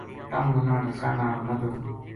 تم منا رسا ناڑ بدھوں